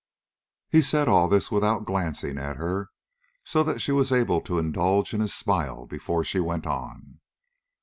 He said all this without glancing at her, so that she was able to indulge in a smile before she went on.